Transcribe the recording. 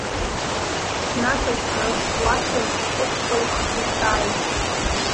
Ҽнак зны уахьынтә шәҟәык кылхх изааит.